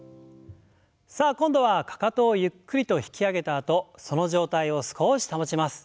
さあ今度はかかとをゆっくりと引き上げたあとその状態を少し保ちます。